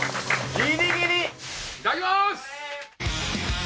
ギリギリ！いただきます。